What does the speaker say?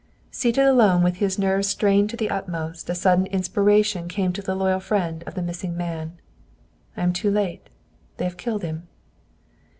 Seated alone, with his nerves strained to the utmost, a sudden inspiration came to the loyal friend of the missing man. "I am too late. They have killed him!"